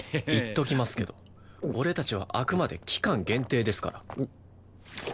言っときますけど俺たちはあくまで期間限定ですから。